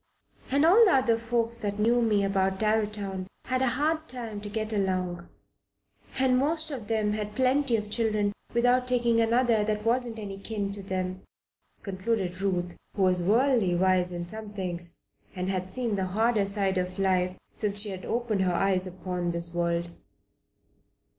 And all the other folks that knew me about Darrowtown had a hard time to get along, and most of them had plenty of children without taking another that wasn't any kin to them," concluded Ruth, who was worldly wise in some things, and had seen the harder side of life since she had opened her eyes upon this world.